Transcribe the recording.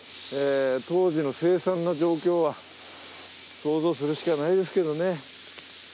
当時の凄惨な状況は想像するしかないですけどね。